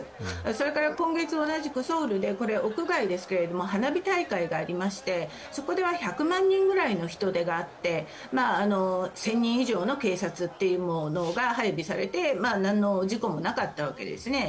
それから今月、同じくソウルでこれは屋外ですが花火大会がありまして、そこでは１００万人くらいの人出があって１０００人以上の警察が配備されてなんの事故もなかったわけですね。